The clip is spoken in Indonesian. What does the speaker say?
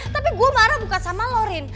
tapi gue marah bukan sama lo rin